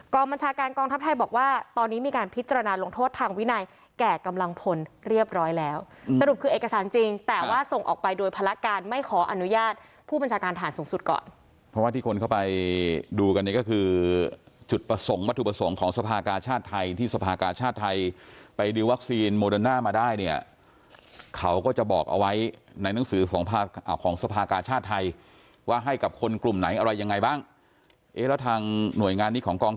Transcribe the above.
แก่กำลังผลเรียบร้อยแล้วสรุปคือเอกสารจริงแต่ว่าส่งออกไปโดยภาระการไม่ขออนุญาตผู้บัญชาการทหารสูงสุดก่อนเพราะว่าที่คนเข้าไปดูกันเนี่ยก็คือจุดประสงค์มาถูกประสงค์ของสภากาชาติไทยที่สภากาชาติไทยไปดิวัคซีนโมเดนน่ามาได้เนี่ยเขาก็จะบอกเอาไว้ในหนังสือของของสภากาชาติไทยว่า